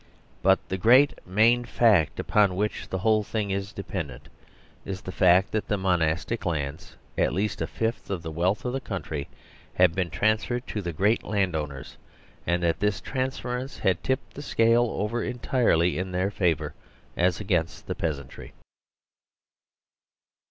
But the great main fact upon which the whole thing is dependent is the fact that the Monastic Lands, at least a fifth of the wealth of the country, had been transferred to the great land owners, and that this transference had tipped the scale over entirely in their favour as against the peasantry.